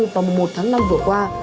và một mươi một tháng năm vừa qua